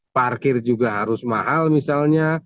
parkir juga harus mahal misalnya